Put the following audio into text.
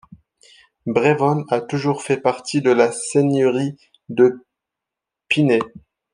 Brévonnes a toujours fait partie de la seigneurie de Piney.